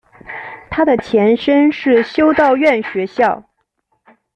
它的前身是修道院学校。